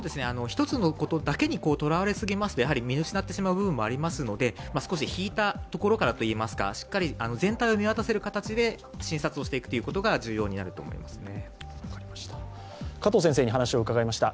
１つのことだけにとらわれすぎますと見失ってしまうこともありますので少し引いたところからといいますか、しっかり全体を見渡せる形で診察をしていくということが重要になると思います。